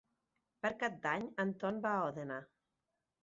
Per Cap d'Any en Ton va a Òdena.